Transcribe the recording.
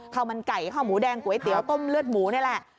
ข้าวมันไก่ข้าวหมูแดงก๋วยเตี๋ยวต้มเลือดหมูนี่แหละ